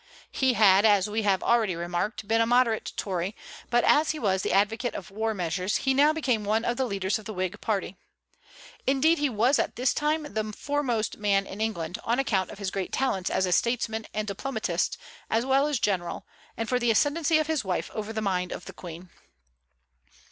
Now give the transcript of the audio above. He had, as we have already remarked, been a moderate Tory, but as he was the advocate of war measures, he now became one of the leaders of the Whig party. Indeed, he was at this time the foremost man in England, on account of his great talents as a statesman and diplomatist as well as general, and for the ascendency of his wife over the mind of the Queen.